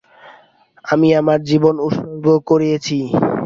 আমি আমার জীবন উৎসর্গ করেছি!